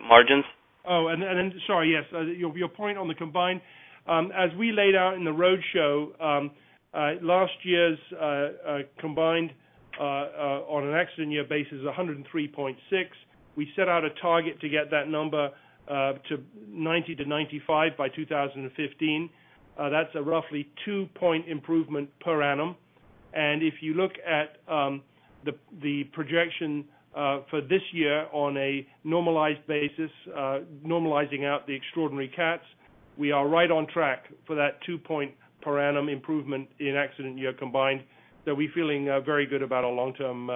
margins. Your point on the combined. As we laid out in the roadshow, last year's combined on an accident year basis is 103.6. We set out a target to get that number to 90 to 95 by 2015. That's a roughly two-point improvement per annum. If you look at the projection for this year on a normalized basis, normalizing out the extraordinary cats, we are right on track for that two point per annum improvement in accident year combined. We're feeling very good about our long-term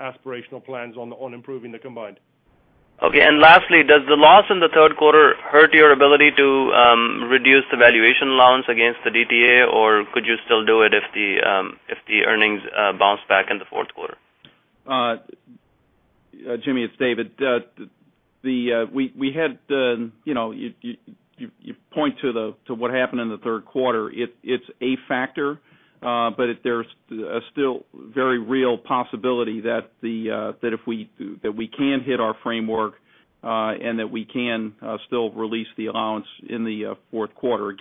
aspirational plans on improving the combined. Lastly, does the loss in the third quarter hurt your ability to reduce the valuation allowance against the DTA, or could you still do it if the earnings bounce back in the fourth quarter? Jimmy, it's David. You point to what happened in the third quarter. It's a factor, but there's still very real possibility that we can hit our framework, and that we can still release the allowance in the fourth quarter.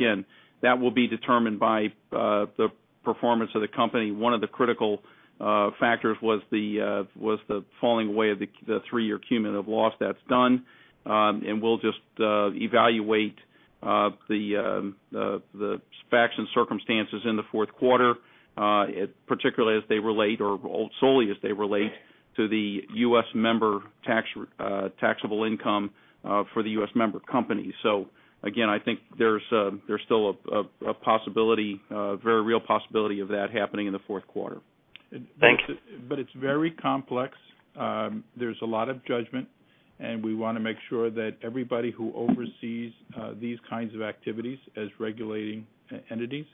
That will be determined by the performance of the company. One of the critical factors was the falling away of the three-year cumulative loss. That's done. We'll just evaluate the facts and circumstances in the fourth quarter, particularly as they relate, or solely as they relate to the U.S. member taxable income for the U.S. member company. Again, I think there's still a possibility, a very real possibility of that happening in the fourth quarter. Thanks. It's very complex. There's a lot of judgment, and we want to make sure that everybody who oversees these kinds of activities as regulating entities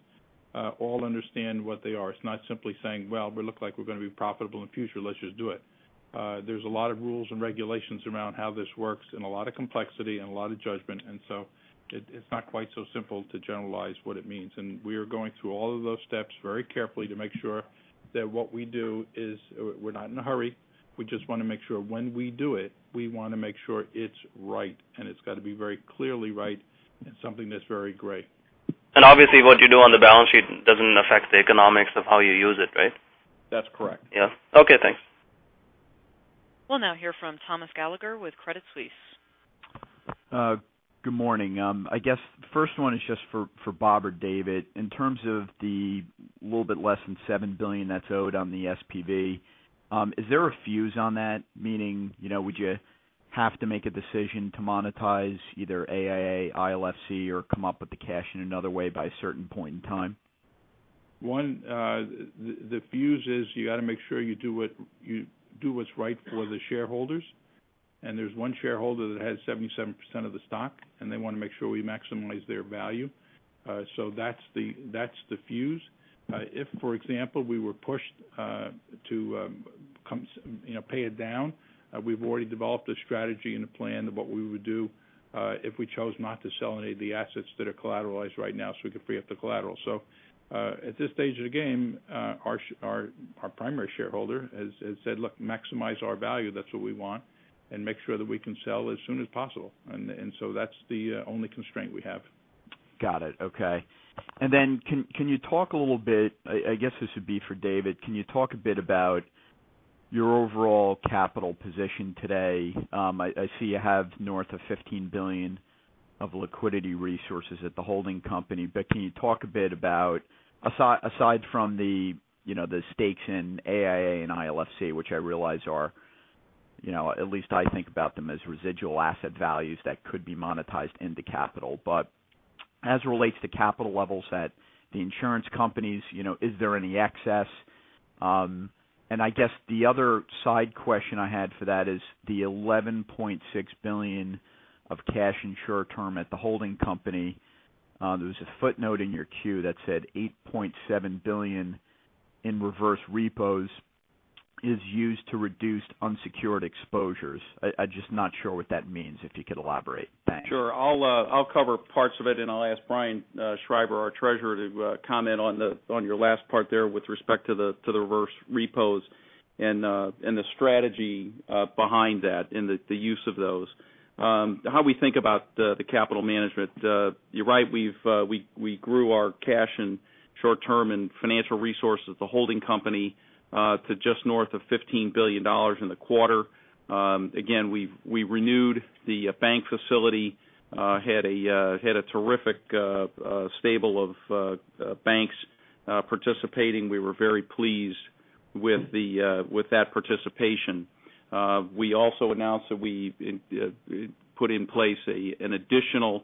all understand what they are. It's not simply saying, "Well, we look like we're going to be profitable in the future, let's just do it." There's a lot of rules and regulations around how this works and a lot of complexity and a lot of judgment. It's not quite so simple to generalize what it means. We are going through all of those steps very carefully to make sure that what we do is we're not in a hurry. We just want to make sure when we do it, we want to make sure it's right, and it's got to be very clearly right and something that's very great. Obviously what you do on the balance sheet doesn't affect the economics of how you use it, right? That's correct. Yeah. Okay, thanks. We'll now hear from Thomas Gallagher with Credit Suisse. Good morning. I guess the first one is just for Bob or David. In terms of the little bit less than $7 billion that's owed on the SPV, is there a fuse on that? Meaning, would you have to make a decision to monetize either AIA, ILFC, or come up with the cash in another way by a certain point in time? One, the fuse is you got to make sure you do what's right for the shareholders. There's one shareholder that has 77% of the stock, and they want to make sure we maximize their value. That's the fuse. If, for example, we were pushed to pay it down, we've already developed a strategy and a plan of what we would do if we chose not to sell any of the assets that are collateralized right now so we could free up the collateral. At this stage of the game, our primary shareholder has said, "Look, maximize our value. That's what we want, and make sure that we can sell as soon as possible." That's the only constraint we have. Got it. Okay. Then can you talk a little bit, I guess this would be for David, can you talk a bit about your overall capital position today? I see you have north of $15 billion of liquidity resources at the holding company. But can you talk a bit about, aside from the stakes in AIA and ILFC, which I realize are, at least I think about them as residual asset values that could be monetized into capital. But as it relates to capital levels at the insurance companies, is there any excess? And I guess the other side question I had for that is the $11.6 billion of cash and short term at the holding company. There was a footnote in your 10-Q that said $8.7 billion in reverse repos is used to reduce unsecured exposures. I'm just not sure what that means, if you could elaborate. Thanks. Sure. I'll cover parts of it, I'll ask Brian Schreiber, our treasurer, to comment on your last part there with respect to the reverse repos and the strategy behind that and the use of those. How we think about the capital management, you're right, we grew our cash and short-term and financial resources, the holding company, to just north of $15 billion in the quarter. Again, we renewed the bank facility, had a terrific stable of banks participating. We were very pleased with that participation. We also announced that we put in place an additional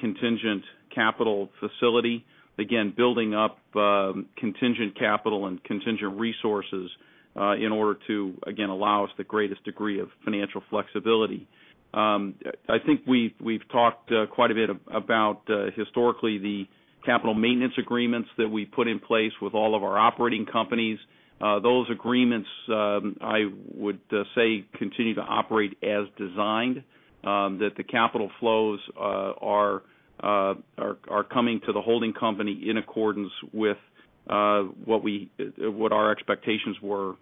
contingent capital facility, again, building up contingent capital and contingent resources in order to, again, allow us the greatest degree of financial flexibility. I think we've talked quite a bit about historically the capital maintenance agreements that we put in place with all of our operating companies. Those agreements, I would say, continue to operate as designed, that the capital flows are coming to the holding company in accordance with what our expectations were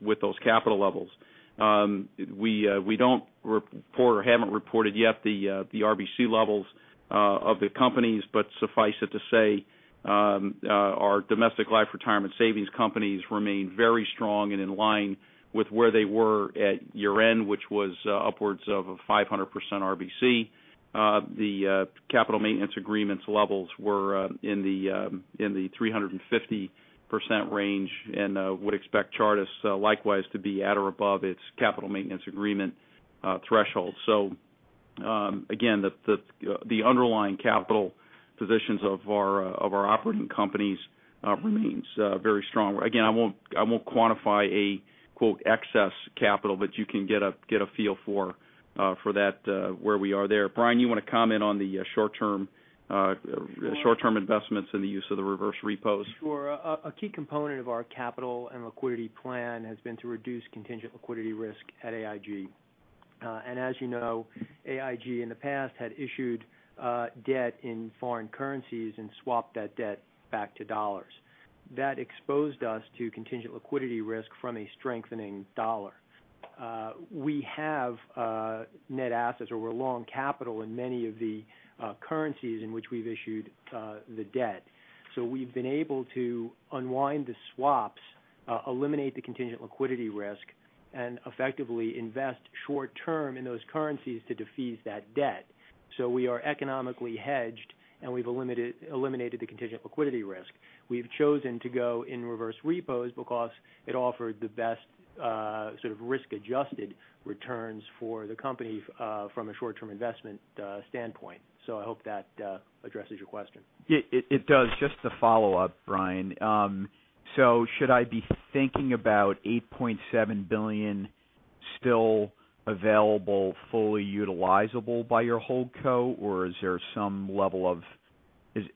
with those capital levels. We don't report or haven't reported yet the RBC levels of the companies. Suffice it to say, our domestic life retirement savings companies remain very strong and in line with where they were at year-end, which was upwards of 500% RBC. The capital maintenance agreements levels were in the 350% range and would expect Chartis likewise to be at or above its capital maintenance agreement threshold. Again, the underlying capital positions of our operating companies remains very strong. Again, I won't quantify a, quote, "excess capital," but you can get a feel for that where we are there. Brian, you want to comment on the short-term investments and the use of the reverse repos? Sure. A key component of our capital and liquidity plan has been to reduce contingent liquidity risk at AIG. As you know, AIG in the past had issued debt in foreign currencies and swapped that debt back to dollars. That exposed us to contingent liquidity risk from a strengthening dollar. We have net assets or we're long capital in many of the currencies in which we've issued the debt. We've been able to unwind the swaps, eliminate the contingent liquidity risk, and effectively invest short term in those currencies to defease that debt. We are economically hedged, and we've eliminated the contingent liquidity risk. We've chosen to go in reverse repos because it offered the best sort of risk-adjusted returns for the company from a short-term investment standpoint. I hope that addresses your question. It does. Just to follow up, Brian, should I be thinking about $8.7 billion still available, fully utilizable by your holdco? Is there some level of,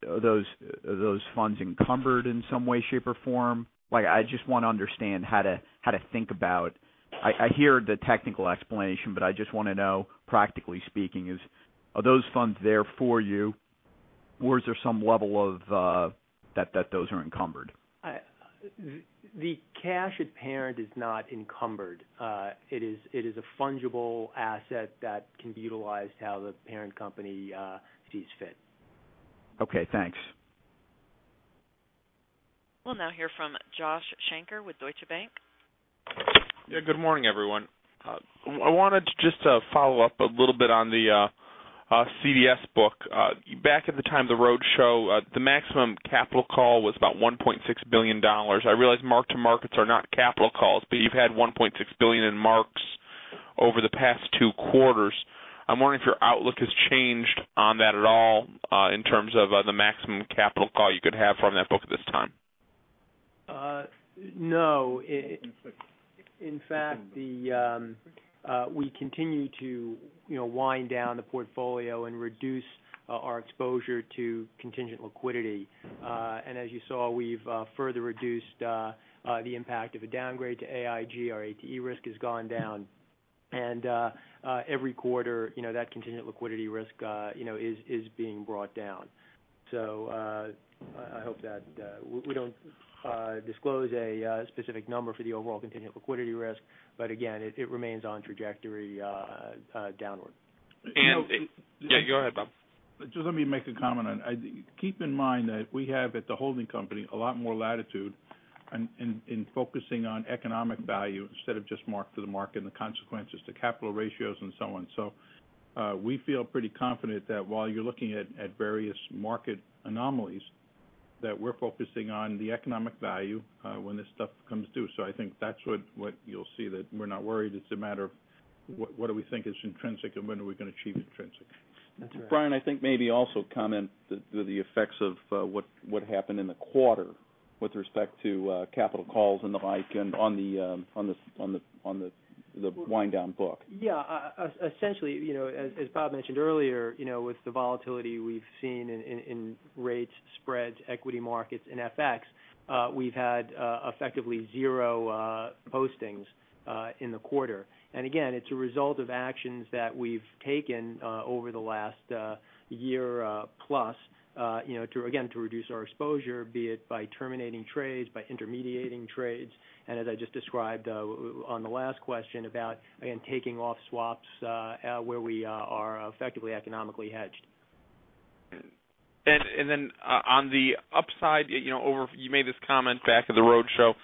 are those funds encumbered in some way, shape, or form? I just want to understand how to think about. I hear the technical explanation, I just want to know, practically speaking, are those funds there for you, or is there some level of that those are encumbered? The cash at parent is not encumbered. It is a fungible asset that can be utilized how the parent company sees fit. Okay, thanks. We'll now hear from Joshua Shanker with Deutsche Bank. Yeah, good morning, everyone. I wanted just to follow up a little bit on the CDS book. Back at the time of the roadshow, the maximum capital call was about $1.6 billion. I realize mark-to-markets are not capital calls, but you've had $1.6 billion in marks over the past two quarters. I'm wondering if your outlook has changed on that at all in terms of the maximum capital call you could have from that book at this time. No. In fact, we continue to wind down the portfolio and reduce our exposure to contingent liquidity. As you saw, we've further reduced the impact of a downgrade to AIG. Our ATE risk has gone down. Every quarter, that contingent liquidity risk is being brought down. I hope that we don't disclose a specific number for the overall contingent liquidity risk, but again, it remains on trajectory downward. And- No- Yeah, go ahead, Bob. Just let me make a comment on it. Keep in mind that we have, at the holding company, a lot more latitude in focusing on economic value instead of just mark to the market and the consequences to capital ratios and so on. We feel pretty confident that while you're looking at various market anomalies, that we're focusing on the economic value when this stuff comes due. I think that's what you'll see, that we're not worried. It's a matter of what do we think is intrinsic, and when are we going to achieve intrinsic? That's right. Brian, I think maybe also comment the effects of what happened in the quarter with respect to capital calls and the like, and on the wind down book. Yeah. Essentially, as Bob mentioned earlier, with the volatility we've seen in rates, spreads, equity markets, and FX, we've had effectively zero postings in the quarter. Again, it's a result of actions that we've taken over the last year plus again, to reduce our exposure, be it by terminating trades, by intermediating trades, and as I just described on the last question about, again, taking off swaps where we are effectively economically hedged. Then on the upside, you made this comment back at the roadshow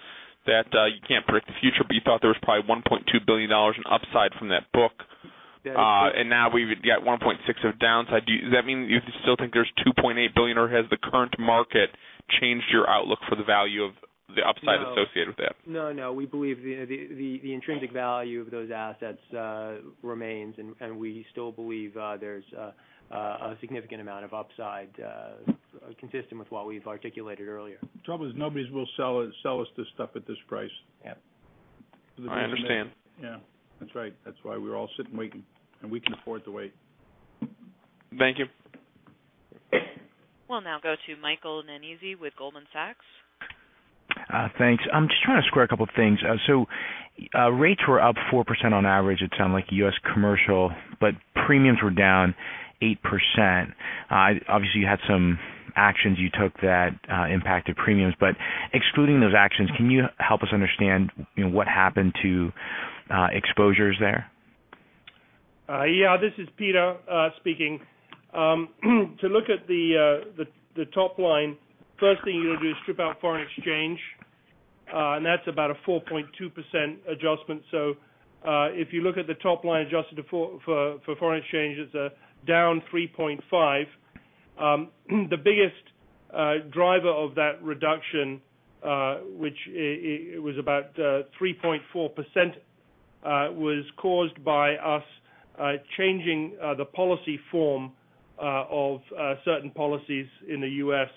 that you can't predict the future, but you thought there was probably $1.2 billion in upside from that book. Yeah. Now we've got 1.6 of downside. Does that mean you still think there's $2.8 billion, or has the current market changed your outlook for the value of the upside associated with it? No. We believe the intrinsic value of those assets remains, and we still believe there's a significant amount of upside consistent with what we've articulated earlier. Trouble is, nobody will sell us this stuff at this price. Yeah. I understand. Yeah. That's right. That's why we're all sitting, waiting. We can afford to wait. Thank you. We'll now go to Michael Nannizzi with Goldman Sachs. Thanks. I'm just trying to square a couple of things. Rates were up 4% on average. It sounded like U.S. commercial, premiums were down 8%. Obviously, you had some actions you took that impacted premiums. Excluding those actions, can you help us understand what happened to exposures there? Yeah. This is Peter speaking. To look at the top line, first thing you got to do is strip out foreign exchange, and that's about a 4.2% adjustment. If you look at the top line adjusted for foreign exchange, it's down 3.5%. The biggest driver of that reduction, which was about 3.4%, was caused by us changing the policy form of certain policies in the U.S.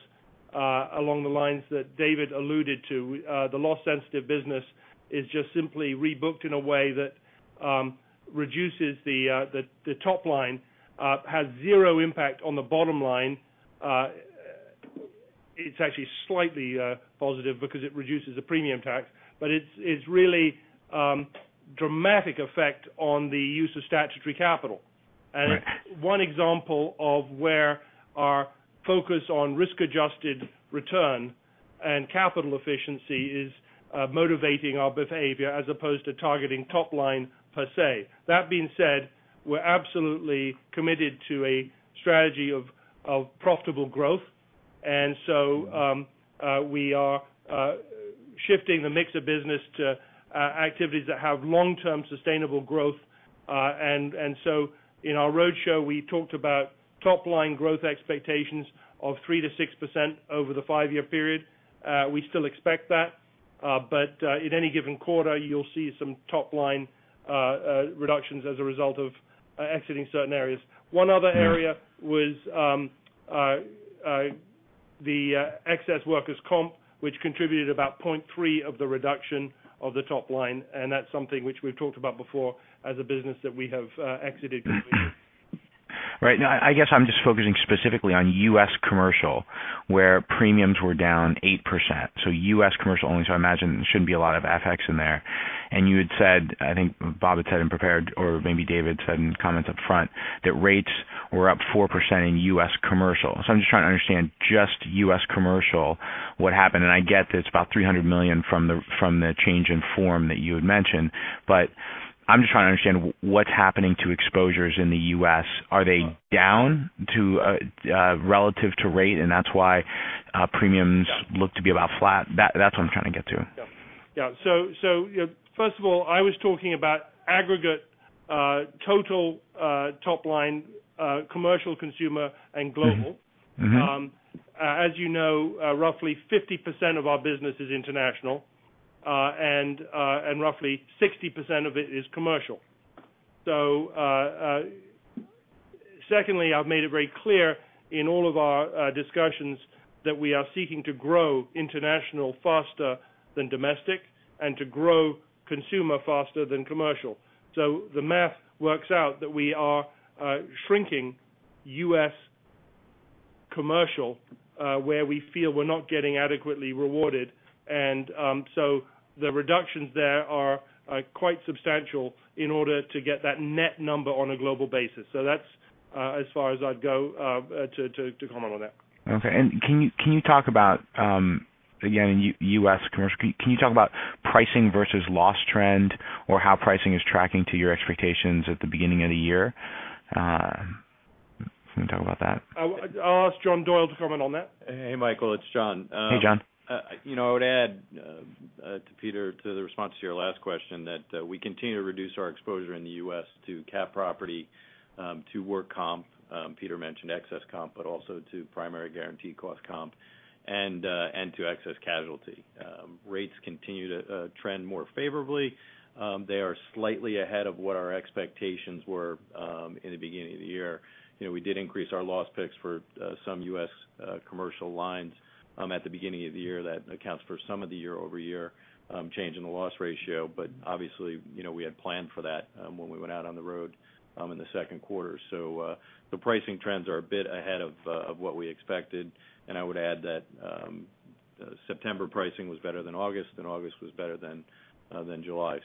along the lines that David alluded to. The loss-sensitive business is just simply rebooked in a way that reduces the top line, has zero impact on the bottom line. It's actually slightly positive because it reduces the premium tax. It's really dramatic effect on the use of statutory capital. Right. One example of where our focus on risk-adjusted return and capital efficiency is motivating our behavior as opposed to targeting top line per se. That being said, we're absolutely committed to a strategy of profitable growth. We are shifting the mix of business to activities that have long-term sustainable growth. In our roadshow, we talked about top-line growth expectations of 3% to 6% over the five-year period. We still expect that. In any given quarter, you'll see some top-line reductions as a result of exiting certain areas. One other area was the excess workers' comp, which contributed about 0.3% of the reduction of the top line, and that's something which we've talked about before as a business that we have exited completely. Right. Now, I guess I'm just focusing specifically on U.S. commercial, where premiums were down 8%. U.S. commercial only. I imagine there shouldn't be a lot of FX in there. You had said, I think Bob had said in prepared or maybe David said in comments up front, that rates were up 4% in U.S. commercial. I'm just trying to understand just U.S. commercial, what happened. I get that it's about $300 million from the change in form that you had mentioned, but I'm just trying to understand what's happening to exposures in the U.S. Are they down relative to rate, and that's why premiums look to be about flat? That's what I'm trying to get to. Yeah. First of all, I was talking about aggregate total top line commercial consumer and global. As you know, roughly 50% of our business is international, and roughly 60% of it is commercial. Secondly, I've made it very clear in all of our discussions that we are seeking to grow international faster than domestic and to grow consumer faster than commercial. The math works out that we are shrinking U.S. commercial, where we feel we're not getting adequately rewarded. The reductions there are quite substantial in order to get that net number on a global basis. That's as far as I'd go to comment on that. Okay. Can you talk about, again, in U.S. commercial, can you talk about pricing versus loss trend or how pricing is tracking to your expectations at the beginning of the year? Can you talk about that? I'll ask John Doyle to comment on that. Hey, Michael, it's John. Hey, John. I would add to Peter, to the response to your last question, that we continue to reduce our exposure in the U.S. to cat property, to work comp. Peter mentioned excess comp, but also to primary guarantee cost comp and to excess casualty. Rates continue to trend more favorably. They are slightly ahead of what our expectations were in the beginning of the year. We did increase our loss picks for some U.S. commercial lines at the beginning of the year. That accounts for some of the year-over-year change in the loss ratio. Obviously, we had planned for that when we went out on the road in the second quarter. The pricing trends are a bit ahead of what we expected. I would add that September pricing was better than August, and August was better than July.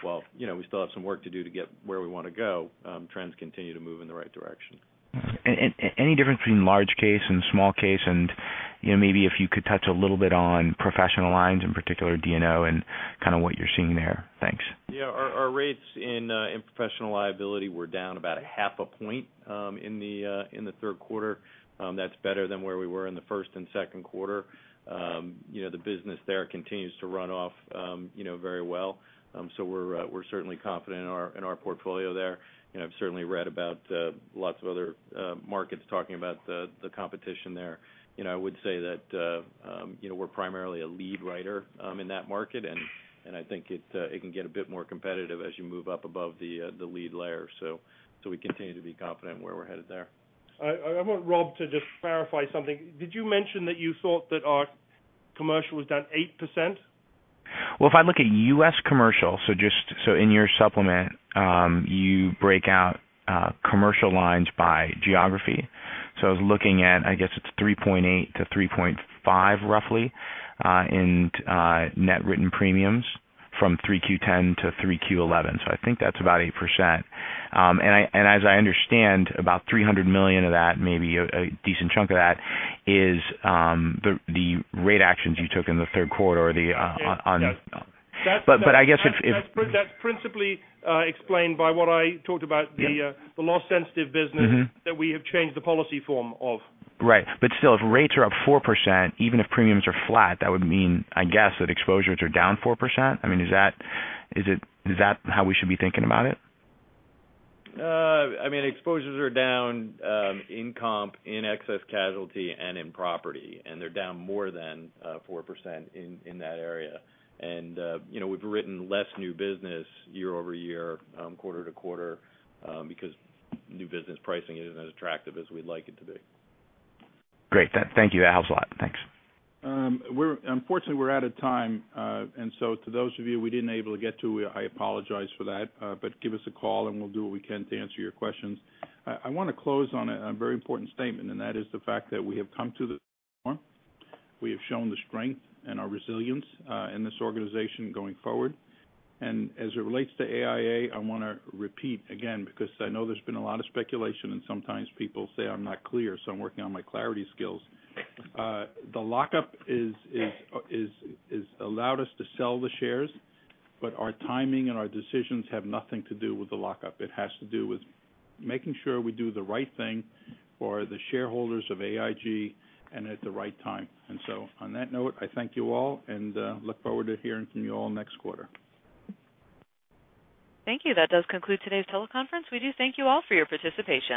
While we still have some work to do to get where we want to go, trends continue to move in the right direction. Any difference between large case and small case? Maybe if you could touch a little bit on professional lines, in particular D&O and kind of what you're seeing there. Thanks. Yeah. Our rates in professional liability were down about a half a point in the third quarter. That's better than where we were in the first and second quarter. The business there continues to run off very well. We're certainly confident in our portfolio there. I've certainly read about lots of other markets talking about the competition there. I would say that we're primarily a lead writer in that market, and I think it can get a bit more competitive as you move up above the lead layer. We continue to be confident in where we're headed there. I want Rob to just clarify something. Did you mention that you thought that our commercial was down 8%? Well, if I look at U.S. commercial, in your supplement, you break out commercial lines by geography. I was looking at, I guess it's $3.8-$3.5, roughly, in net written premiums from 3Q10 to 3Q11. I think that's about 8%. As I understand, about $300 million of that, maybe a decent chunk of that is the rate actions you took in the third quarter. Yes. I guess. That's principally explained by what I talked about. Yeah The loss-sensitive business. That we have changed the policy form of. Right. Still, if rates are up 4%, even if premiums are flat, that would mean, I guess, that exposures are down 4%. I mean, is that how we should be thinking about it? Exposures are down in comp, in excess casualty, and in property, they're down more than 4% in that area. We've written less new business year-over-year, quarter-to-quarter, because new business pricing isn't as attractive as we'd like it to be. Great. Thank you. That helps a lot. Thanks. Unfortunately, we're out of time. To those of you we didn't able to get to, I apologize for that. Give us a call and we'll do what we can to answer your questions. I want to close on a very important statement, and that is the fact that We have shown the strength and our resilience, in this organization going forward. As it relates to AIA, I want to repeat again, because I know there's been a lot of speculation, and sometimes people say I'm not clear, I'm working on my clarity skills. The lockup has allowed us to sell the shares, our timing and our decisions have nothing to do with the lockup. It has to do with making sure we do the right thing for the shareholders of AIG and at the right time. On that note, I thank you all and look forward to hearing from you all next quarter. Thank you. That does conclude today's teleconference. We do thank you all for your participation.